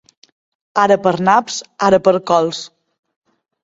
Ara per naps, ara per cols.